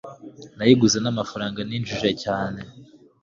nayiguze namafaranga ninjije cyane